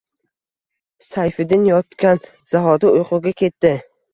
Sayfiddin yotgan zahoti uyquga ketdi